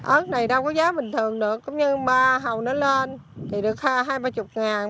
ớt này đâu có giá bình thường được cũng như ba hậu nó lên thì được hai ba chục ngàn